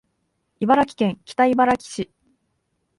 茨城県北茨城市